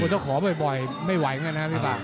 คนต้องขอบ่อยไม่ไหวงั้นนะครับพี่บ้าง